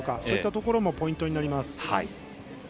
そういったところもポイントです。